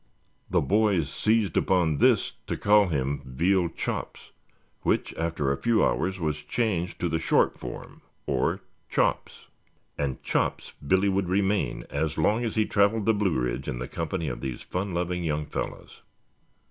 The boys seized upon this to call him Veal Chops, which after a few hours was changed to the short form, or "Chops." And Chops, Billy would remain as long as he traveled the Blue Ridge in the company of these fun loving young fellows.